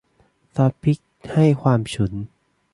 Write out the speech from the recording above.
ซอสพริกให้ความฉุน